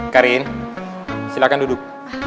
karin silahkan duduk